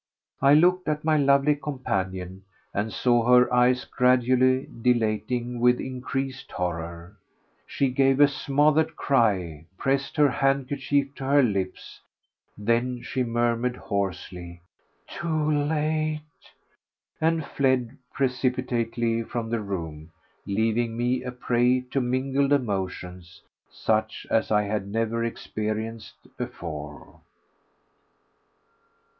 I looked at my lovely companion, and saw her eyes gradually dilating with increased horror. She gave a smothered cry, pressed her handkerchief to her lips, then she murmured hoarsely, "Too late!" and fled precipitately from the room, leaving me a prey to mingled emotions such as I had never experienced before.